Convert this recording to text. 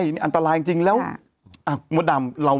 มันติดคุกออกไปออกมาได้สองเดือน